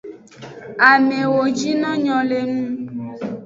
Amewo jino nyo le ngu.